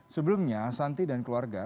sebelumnya asanti dan keluarga